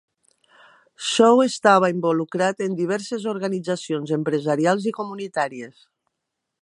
Shaw estava involucrat en diverses organitzacions empresarials i comunitàries.